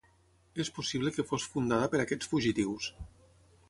És possible que fos fundada per aquests fugitius.